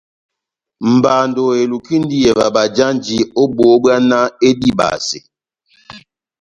Mbando elukindi iyeva bajanji ó bohó bbwá náh edibase.